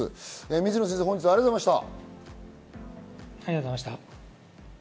水野先生、本日はありがとうございました。